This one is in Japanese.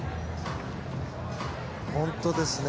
本当ですね。